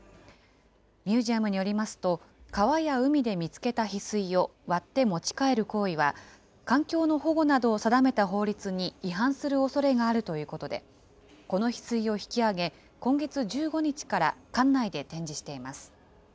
ミュージアムによりますと、川や海で見つけたヒスイを割って持ち帰る行為は、環境の保護などを定めた法律に違反するおそれがあるということで、このヒスイを引き上げ、今月１５日から館内で展示しています。